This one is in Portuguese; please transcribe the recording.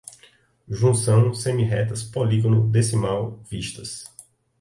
junção, semi-retas, polígono, decimal, vistas